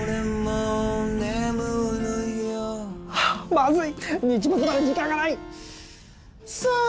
まずい日没まで時間がない。